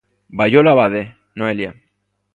Baiolo Abade, Noelia.